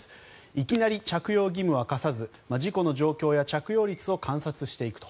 いきなり着用義務は課さず事故の状況や着用率を観察していくと。